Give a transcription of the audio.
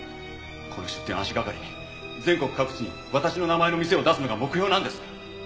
この出店を足がかりに全国各地に私の名前の店を出すのが目標なんです。